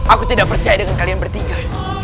aku tidak percaya dengan kalian bertiga